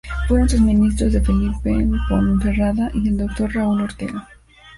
Fueron sus Ministros D. Felipe Ponferrada y el Dr. Raúl Ortega.